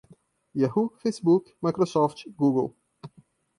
yahoo, facebook, microsoft, google